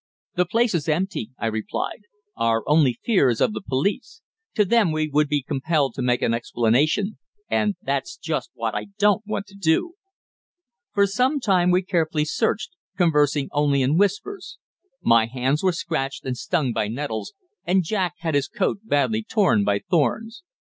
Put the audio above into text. "The place is empty," I replied. "Our only fear is of the police. To them we would be compelled to make an explanation and that's just what I don't want to do." For some time we carefully searched, conversing only in whispers. My hands were scratched, and stung by nettles, and Jack had his coat badly torn by thorns.